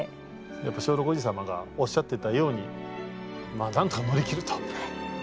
やっぱり松緑おじ様がおっしゃってたようにまあなんとか乗り切ると。